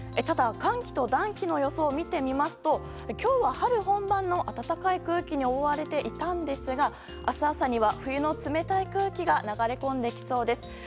ただ、寒気と暖気の予想を見てみますと今日は春本番の暖かい空気に覆われていたんですが明日朝には、冬の冷たい空気が流れ込んできそうです。